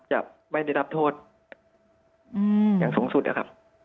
จะไม่ได้รับโทษอย่างสูงสุดนะครับ